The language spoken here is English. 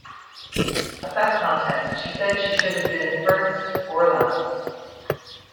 At that contest, she said she should have been "first or last".